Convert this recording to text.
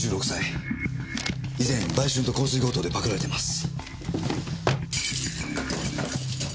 以前売春と昏睡強盗でパクられてます。